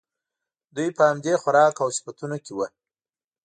دوی په همدې خوراک او صفتونو کې وو.